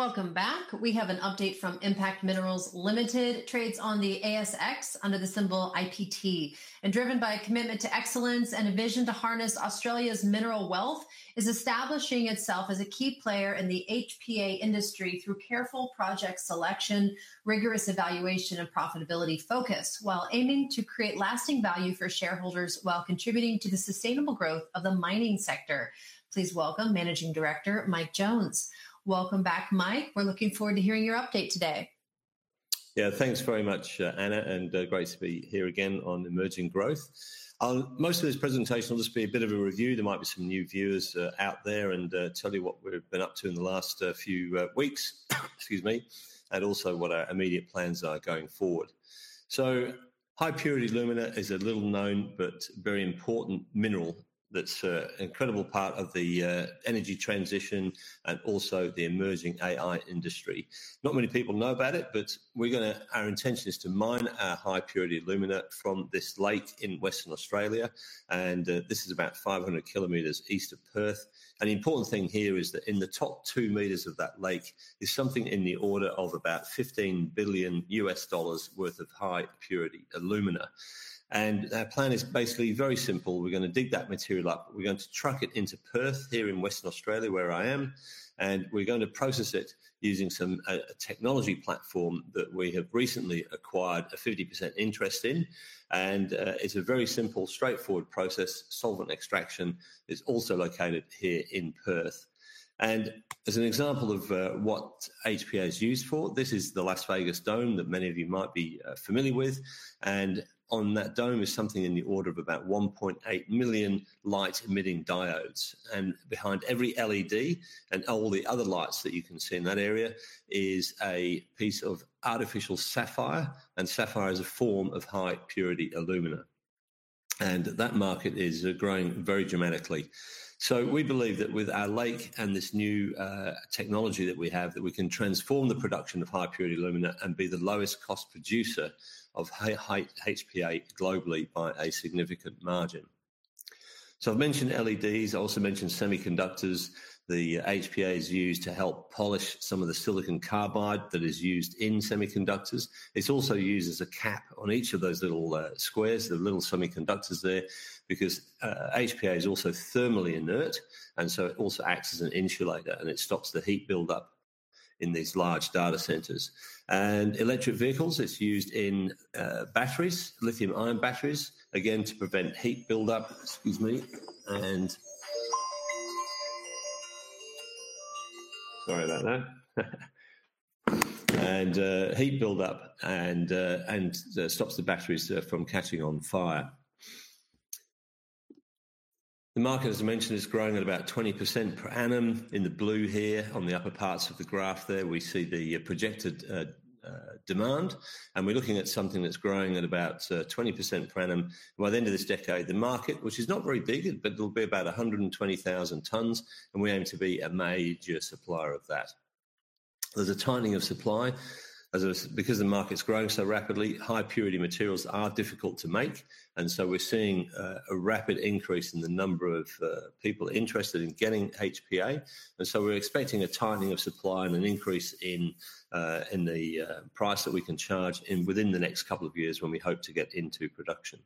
Welcome back. We have an update from Impact Minerals Ltd., trades on the ASX under the symbol IPT. Driven by a commitment to excellence and a vision to harness Australia's mineral wealth, it's establishing itself as a key player in the HPA industry through careful project selection, rigorous evaluation, and profitability focus, while aiming to create lasting value for shareholders while contributing to the sustainable growth of the mining sector. Please welcome Managing Director Mike Jones. Welcome back, Mike. We're looking forward to hearing your update today. Yeah, thanks very much, Anna, and great to be here again on Emerging Growth. Most of this presentation will just be a bit of a review. There might be some new viewers out there, and I'll tell you what we've been up to in the last few weeks, excuse me, and also what our immediate plans are going forward. High Purity Alumina is a little known but very important mineral that's an incredible part of the energy transition and also the emerging AI industry. Not many people know about it, but our intention is to mine our High Purity Alumina from this lake in Western Australia, and this is about 500 kilometers east of Perth. The important thing here is that in the top two meters of that lake is something in the order of about $15 billion worth of High Purity Alumina. Our plan is basically very simple. We're going to dig that material up, we're going to truck it into Perth here in Western Australia, where I am, and we're going to process it using a technology platform that we have recently acquired a 50% interest in. It's a very simple, straightforward process. Solvent extraction is also located here in Perth. As an example of what HPA is used for, this is the Las Vegas dome that many of you might be familiar with. On that dome is something in the order of about 1.8 million light-emitting diodes. Behind every LED and all the other lights that you can see in that area is a piece of artificial sapphire, and sapphire is a form of High Purity Alumina. That market is growing very dramatically. We believe that with our lake and this new technology that we have, we can transform the production of High Purity Alumina and be the lowest cost producer of high-grade HPA globally by a significant margin. I've mentioned LEDs. I also mentioned semiconductors. The HPA is used to help polish some of the silicon carbide that is used in semiconductors. It's also used as a cap on each of those little squares, the little semiconductors there, because HPA is also thermally inert, and it also acts as an insulator, and it stops the heat buildup in these large data centers. In electric vehicles, it's used in batteries, lithium-ion batteries, again to prevent heat buildup, excuse me, Sorry about that, and heat buildup and stops the batteries from catching on fire. The market, as I mentioned, is growing at about 20% per annum. In the blue here on the upper parts of the graph there, we see the projected demand, and we're looking at something that's growing at about 20% per annum. By the end of this decade, the market, which is not very big, but it'll be about 120,000 tonnes, and we aim to be a major supplier of that. There's a tightening of supply because the market's growing so rapidly. High purity materials are difficult to make, and we're seeing a rapid increase in the number of people interested in getting HPA. We're expecting a tightening of supply and an increase in the price that we can charge within the next couple of years when we hope to get into production.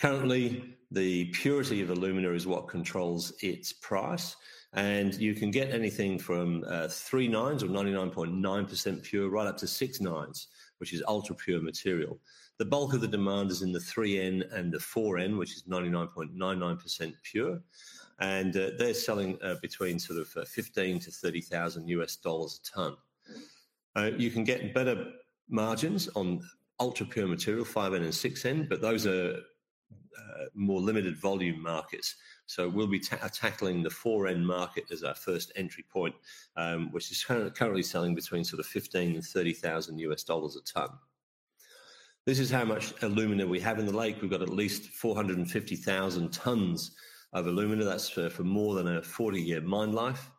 Currently, the purity of alumina is what controls its price, and you can get anything from three nines or 99.9% pure right up to six nines, which is ultra-pure material. The bulk of the demand is in the 3N and the 4N, which is 99.99% pure, and they're selling between sort of $15,000 to $30,000 a ton. You can get better margins on ultra-pure material, 5N and 6N, but those are more limited volume markets. We'll be tackling the 4N market as our first entry point, which is currently selling between sort of $15,000 and $30,000 a ton. This is how much aluminum we have in the lake. We've got at least 450,000 tonnes of aluminum. That's for more than a 40-year mine life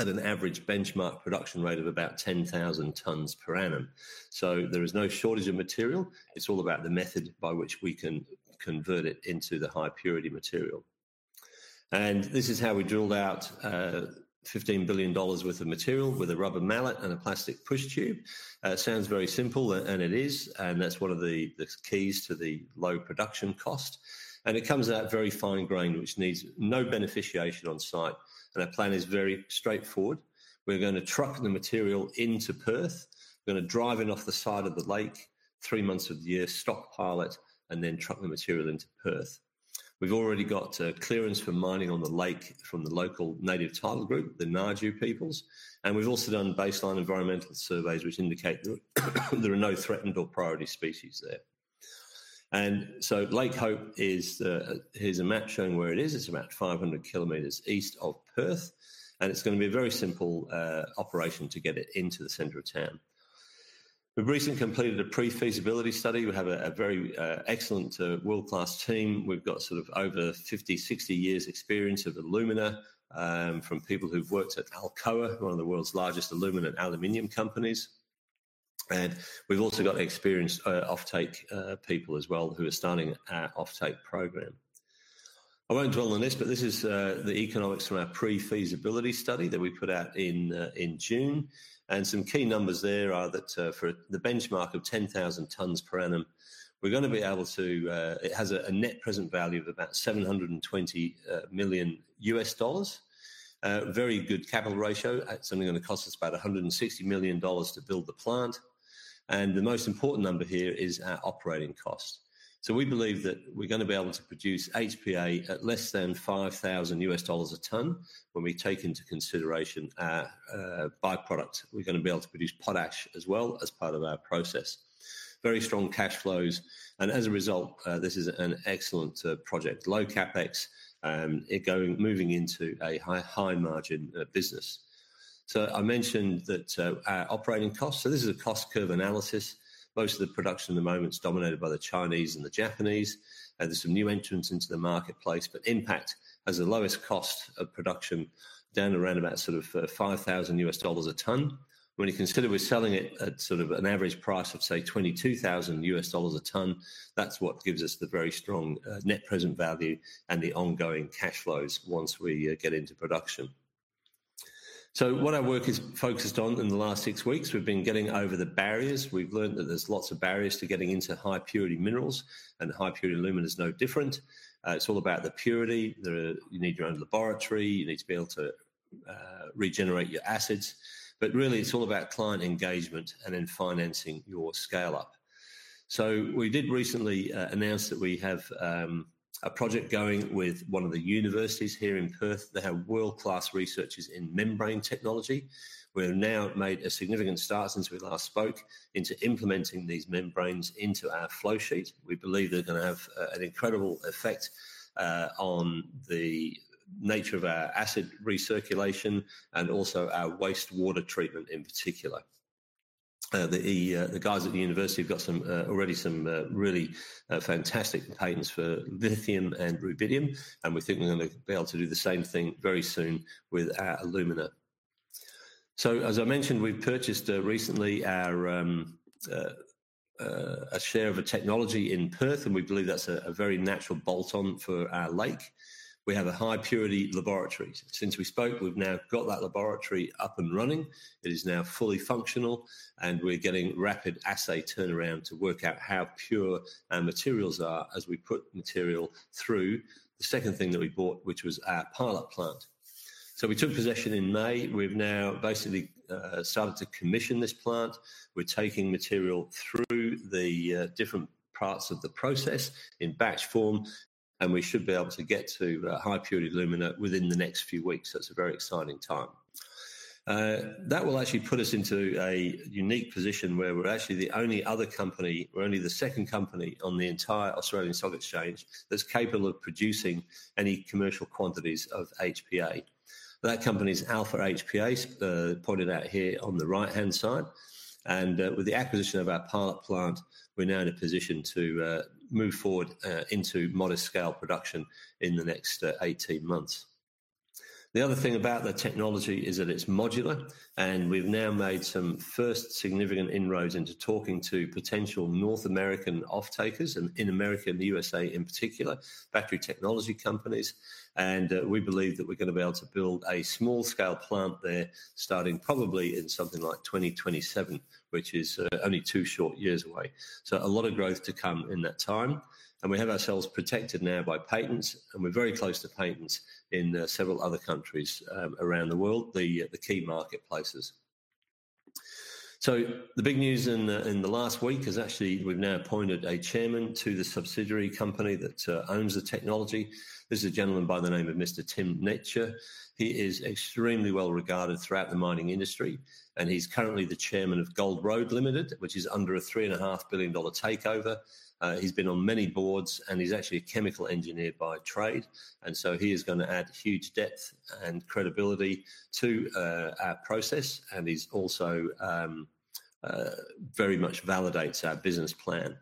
at an average benchmark production rate of about 10,000 tonnes per annum. There is no shortage of material. It's all about the method by which we can convert it into the high purity material. This is how we drilled out $15 billion worth of material with a rubber mallet and a plastic push tube. Sounds very simple, and it is, and that's one of the keys to the low production cost. It comes out very fine-grained, which needs no beneficiation on site. Our plan is very straightforward. We're going to truck the material into Perth. We're going to drive it off the side of the lake, three months of the year, stockpile it, and then truck the material into Perth. We've already got clearance for mining on the lake from the local native title group, the Naju peoples. We've also done baseline environmental surveys, which indicate there are no threatened or priority species there. Lake Hope is, here's a map showing where it is. It's about 500 kilometers east of Perth. It's going to be a very simple operation to get it into the center of town. We've recently completed a pre-feasibility study. We have a very excellent, world-class team. We've got sort of over 50, 60 years' experience of the luminaire from people who've worked at Alcoa, who are one of the world's largest aluminum and aluminium companies. We've also got experienced offtake people as well who are starting our offtake program. I won't dwell on this, but this is the economics from our pre-feasibility study that we put out in June. Some key numbers there are that for the benchmark of 10,000 tonnes per annum, we're going to be able to, it has a net present value of about $720 million. Very good capital ratio. It's only going to cost us about $160 million to build the plant. The most important number here is our operating costs. We believe that we're going to be able to produce HPA at less than $5,000 a tonne when we take into consideration our by-product. We're going to be able to produce potash as well as part of our process. Very strong cash flows. As a result, this is an excellent project. Low CapEx, and it going moving into a high margin business. I mentioned that our operating costs, so this is a cost curve analysis. Most of the production at the moment is dominated by the Chinese and the Japanese. There's some new entrants into the marketplace, but Impact has the lowest cost of production down around about sort of $5,000 a tonne. When you consider we're selling it at sort of an average price of say $22,000 a tonne, that's what gives us the very strong net present value and the ongoing cash flows once we get into production. What our work has focused on in the last six weeks, we've been getting over the barriers. We've learned that there's lots of barriers to getting into high purity minerals, and high purity luminaire is no different. It's all about the purity. You need your own laboratory. You need to be able to regenerate your assets. Really, it's all about client engagement and then financing your scale-up. We did recently announce that we have a project going with one of the universities here in Perth. They have world-class researchers in membrane technology. We've now made a significant start since we last spoke into implementing these membranes into our flow sheet. We believe they're going to have an incredible effect on the nature of our acid recirculation and also our wastewater treatment in particular. The guys at the university have got already some really fantastic patents for lithium and rubidium, and we think we're going to be able to do the same thing very soon with our aluminum. As I mentioned, we purchased recently a share of a technology in Perth, and we believe that's a very natural bolt-on for our Lake Hope. We have a high-purity laboratory. Since we spoke, we've now got that laboratory up and running. It is now fully functional, and we're getting rapid assay turnaround to work out how pure our materials are as we put material through the second thing that we bought, which was our pilot plant. We took possession in May. We've now basically started to commission this plant. We're taking material through the different parts of the process in batch form, and we should be able to get to high-purity alumina within the next few weeks. That's a very exciting time. That will actually put us into a unique position where we're actually the only other company, we're only the second company on the entire Australian Stock Exchange that's capable of producing any commercial quantities of HPA. That company is Alpha HPA, pointed out here on the right-hand side. With the acquisition of our pilot plant, we're now in a position to move forward into modest scale production in the next 18 months. The other thing about the technology is that it's modular, and we've now made some first significant inroads into talking to potential North American offtake partners and in America and the U.S.A. in particular, battery technology companies. We believe that we're going to be able to build a small-scale plant there starting probably in something like 2027, which is only two short years away. A lot of growth to come in that time. We have ourselves protected now by patents, and we're very close to patents in several other countries around the world, the key marketplaces. The big news in the last week is actually we've now appointed a Chairman to the subsidiary company that owns the technology. This is a gentleman by the name of Mr. Tim Netscher. He is extremely well regarded throughout the mining industry, and he's currently the Chairman of Gold Road Limited, which is under a $3.5 billion takeover. He's been on many boards, and he's actually a chemical engineer by trade. He is going to add huge depth and credibility to our process, and he also very much validates our business plan.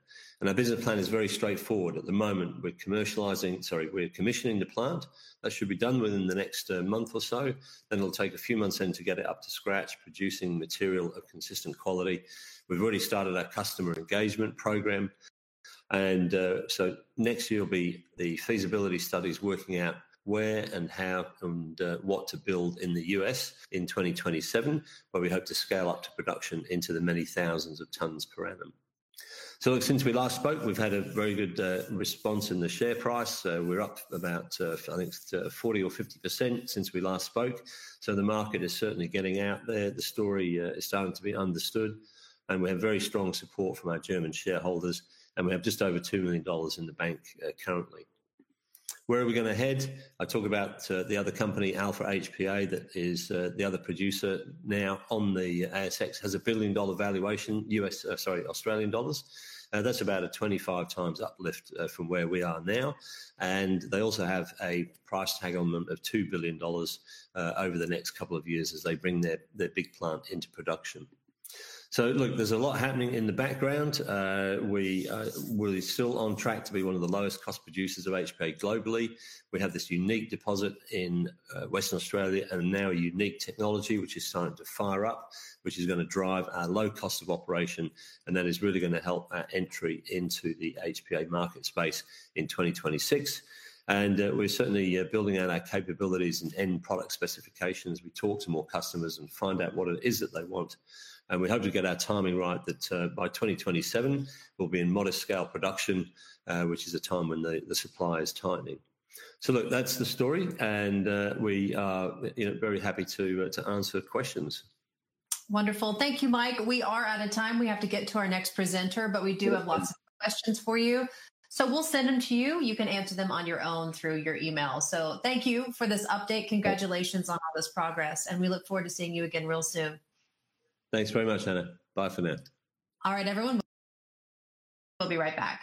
Our business plan is very straightforward. At the moment, we're commissioning the plant. That should be done within the next month or so. It'll take a few months to get it up to scratch, producing material of consistent quality. We've already started our customer engagement program. Next year will be the feasibility studies working out where and how and what to build in the U.S. in 2027, where we hope to scale up to production into the many thousands of tonnes per annum. Since we last spoke, we've had a very good response in the share price. We're up about, I think, 40% or 50% since we last spoke. The market is certainly getting out there. The story is starting to be understood. We have very strong support from our German shareholders, and we have just over $2 million in the bank currently. Where are we going to head? I talk about the other company, Alpha HPA, that is the other producer now on the ASX, has $1 billion valuation, U.S., sorry, Australian dollars. That's about a 25 times uplift from where we are now. They also have a price tag on them of $2 billion over the next couple of years as they bring their big plant into production. There's a lot happening in the background. We're still on track to be one of the lowest cost producers of HPA globally. We have this unique deposit in Western Australia and now a unique technology, which is starting to fire up, which is going to drive our low cost of operation, and that is really going to help our entry into the HPA market space in 2026. We're certainly building out our capabilities and end product specifications as we talk to more customers and find out what it is that they want. We hope to get our timing right that by 2027, we'll be in modest scale production, which is a time when the supply is tightening. That's the story, and we are very happy to answer questions. Wonderful. Thank you, Mike. We are out of time. We have to get to our next presenter, but we do have lots of questions for you. We'll send them to you. You can answer them on your own through your email. Thank you for this update. Congratulations on all this progress. We look forward to seeing you again real soon. Thanks very much, Anna. Bye for now. All right, everyone. We'll be right back.